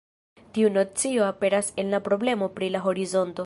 Tiu nocio aperas en la problemo pri la horizonto.